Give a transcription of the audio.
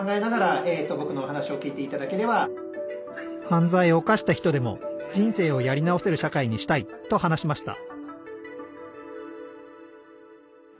犯罪を犯した人でも人生をやり直せる社会にしたいと話しました